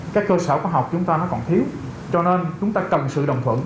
các cơ sở khoa học chúng ta nó còn thiếu cho nên chúng ta cần sự đồng thuận